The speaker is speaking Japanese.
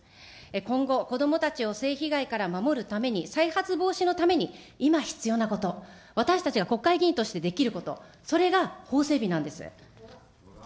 今後、子どもたちを性被害から守るために、再発防止のために、今必要なこと、私たちが国会議員としてできること、それが法整備なんです。